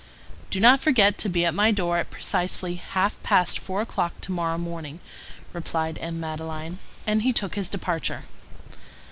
"Do not forget to be at my door at precisely half past four o'clock to morrow morning," replied M. Madeleine; and he took his departure.